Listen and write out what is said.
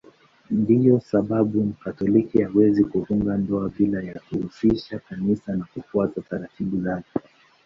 Ndiyo sababu Mkatoliki hawezi kufunga ndoa bila ya kuhusisha Kanisa na kufuata taratibu zake.